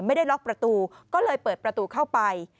ไม่ได้ล็อกประตูก็เลยเปิดประตูเข้าไป